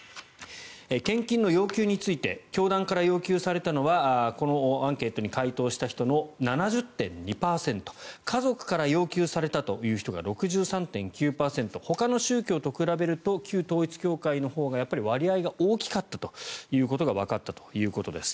献金の要求について教団から要求されたのはこのアンケートに回答した人の７０．２％家族から要求されたという人が６３．９％ほかの宗教と比べると旧統一教会のほうが割合が大きかったということがわかったということです。